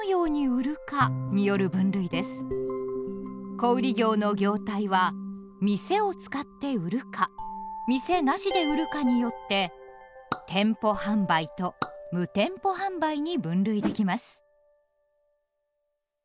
小売業の業態は店を使って売るか店なしで売るかによって「店舗販売」と「無店舗販売」に分類できます。